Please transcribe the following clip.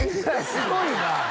すごいな！